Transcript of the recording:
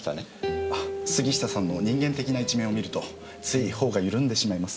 あ杉下さんの人間的な一面を見るとつい頬が緩んでしまいます。